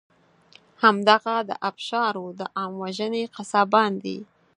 همدغه د آبشارو د عام وژنې قصابان دي.